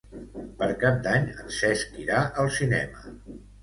Per Cap d'Any en Cesc irà al cinema.